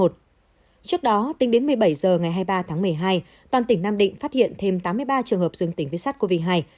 trước đó tính đến một mươi bảy giờ ngày hai mươi ba tháng một mươi hai toàn tỉnh nam định phát hiện thêm tám mươi ba trường hợp dưỡng tỉnh viết sát covid hai